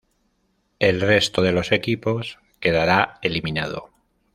El resto de los equipos quedará eliminado.